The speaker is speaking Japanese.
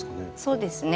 そうですね。